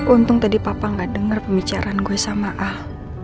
untung tadi papa gak denger pembicaraan gue sama ah